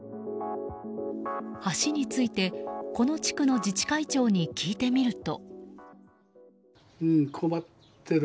橋について、この地区の自治会長に聞いてみると。